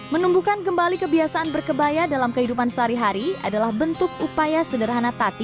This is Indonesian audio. menumbuhkan kembali kebiasaan berkebaya dalam kehidupan sehari hari adalah bentuk upaya sederhana tati